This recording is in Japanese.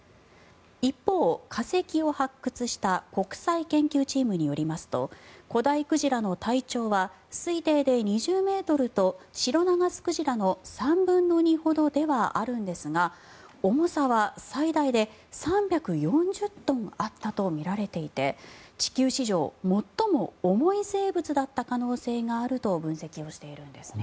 一方、化石を発掘した国際研究チームによりますと古代鯨の体長は推定で２０ｍとシロナガスクジラの３分の２ほどではあるんですが重さは最大で３４０トンあったとみられていて地球史上、最も重い生物だった可能性があると分析しているんですね。